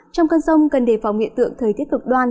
trong cơn rông cần đề phòng hiện tượng thời tiết cực đoan